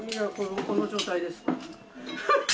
この状態ですよ。